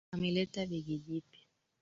Ameleta begi jipya.